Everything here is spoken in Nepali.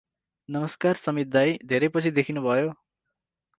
नमस्कार समित दाई, धेरै पछि देखिनुभयो ।